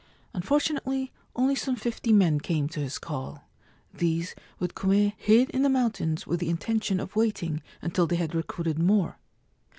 Unfortunately, only some fifty men came to his call. These, with Kume, hid in the mountains with the intention of waiting until they had recruited more.